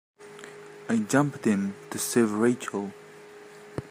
I jumped in to save Rachel.